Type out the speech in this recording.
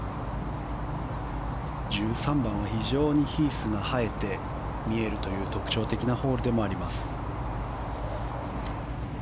１３番は非常にヒースが映えて見えるという特徴的なホールでもあります。